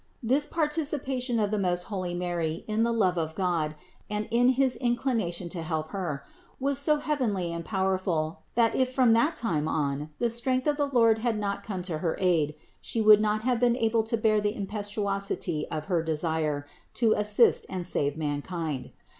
This participa tion of the most holy Mary in the love of God and in his inclination to help Her, was so heavenly and powerful that if from that time on the strength of the Lord had not come to her aid, She would not have been able to bear the impetuosity of her desire to assist and save man kind.